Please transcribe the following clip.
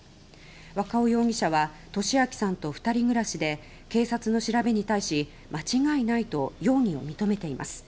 若尾容疑者は利明さんと２人暮らしで警察の調べに対し間違いないと容疑を認めています。